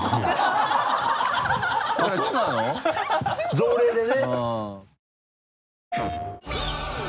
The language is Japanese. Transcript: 条例でね。